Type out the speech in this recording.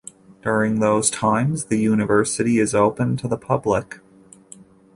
During those times, the university is open to the public.